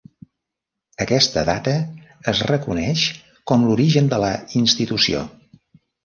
Aquesta data es reconeix com l'origen de la institució.